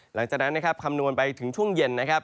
หลังจากนั้นคำนวณไปถึงช่วงเย็น